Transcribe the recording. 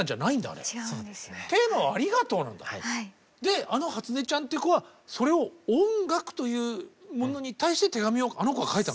であのはつねちゃんっていう子はそれを音楽というものに対して手紙をあの子が書いた。